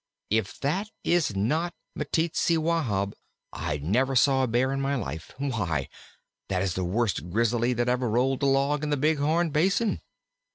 If that is not Meteetsee Wahb, I never saw a Bear in my life! Why, that is the worst Grizzly that ever rolled a log in the Big Horn Basin."